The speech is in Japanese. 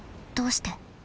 どうして？